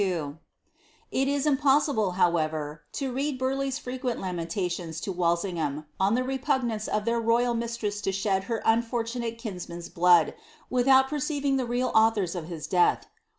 h is impossible, however, to read Burleigh's frequent lamentations to WaJsingham, on the repugnance of their royal mistress to shed her un fortunate kinsman's blood, without perceiving the real authors of his death.